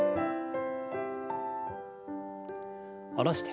下ろして。